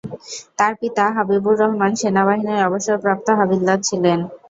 তার পিতা হাবিবুর রহমান সেনাবাহিনীর অবসরপ্রাপ্ত হাবিলদার ছিলেন।